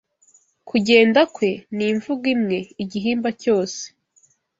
Kugenda kwe, ni imvugo imwe; igihimba cyose